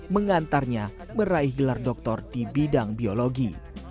mengantarnya meraih gelar doktor di bidang biologi